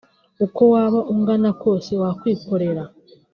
uko waba ungana kose wakwikorera